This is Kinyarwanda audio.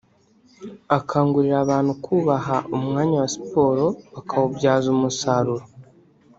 akangurira abantu kubaha umwanya wa siporo bakawubyaza umusaruro